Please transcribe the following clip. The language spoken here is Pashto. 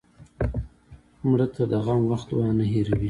مړه ته د غم وخت دعا نه هېروې